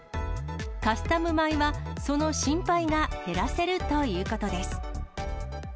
カスタム米は、その心配が減らせるということです。